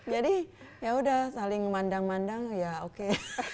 jadi ya udah saling mandang mandang ya oke